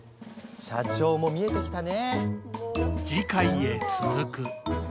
社長も見えてきたね。